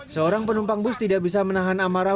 seorang penumpang bus tidak bisa menahan amarah